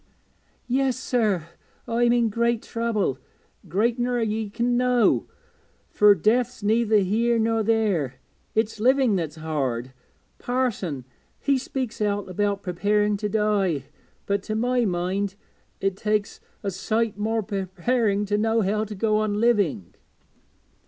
'Yes, sir, I'm in great trouble, greater ner ye can know, fur death's neither here nor there it's living that's hard. Parson, he speaks out about preparing to die, but to my mind it takes a sight more preparing to know how to go on living.'